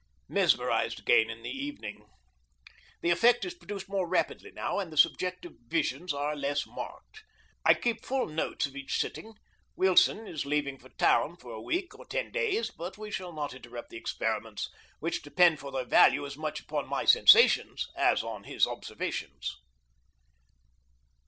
Mesmerized again in the evening. The effect is produced more rapidly now, and the subjective visions are less marked. I keep full notes of each sitting. Wilson is leaving for town for a week or ten days, but we shall not interrupt the experiments, which depend for their value as much upon my sensations as on his observations.